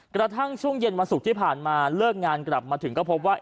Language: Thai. กระทั่งช่วงเย็นวันศุกร์ที่ผ่านมาเลิกงานกลับมาถึงก็พบว่า